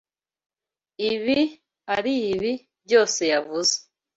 Ibi aribi byose yavuze.